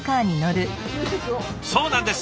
そうなんです！